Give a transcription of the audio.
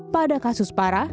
pada kasus parah